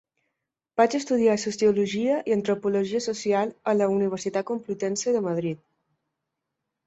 Va estudiar Sociologia i Antropologia Social en la Universitat Complutense de Madrid.